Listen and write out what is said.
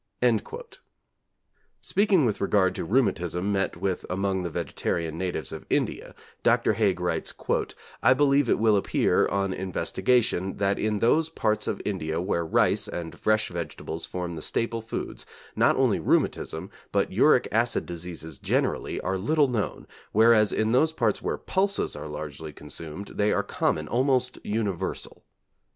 Speaking with regard to rheumatism met with among the vegetarian natives of India, Dr. Haig writes: 'I believe it will appear, on investigation, that in those parts of India where rice and fresh vegetables form the staple foods, not only rheumatism, but uric acid diseases generally are little known, whereas in those parts where pulses are largely consumed, they are common almost universal.'